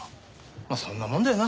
まあそんなもんだよな。